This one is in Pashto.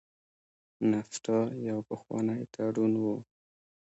نفټا یو پخوانی تړون و.